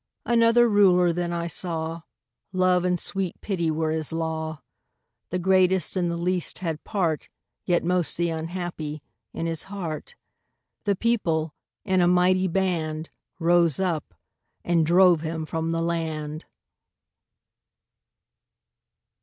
Another Ruler then I saw Love and sweet Pity were his law: The greatest and the least had part (Yet most the unhappy) in his heart The People, in a mighty band, Rose up, and drove him from the land!